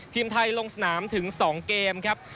ทีมไทยลงสนามถึง๒เกมครับ